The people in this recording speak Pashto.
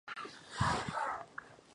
ځوانان مازدیګر مهال فوټبال کوي.